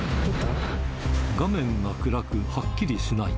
画面が暗く、はっきりしない。